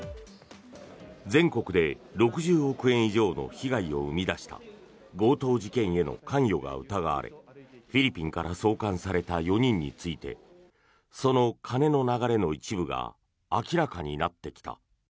全国で６０億円以上の被害を生み出した強盗事件への関与が疑われフィリピンから送還された４人についてその金の流れの一部が明らかになってきた。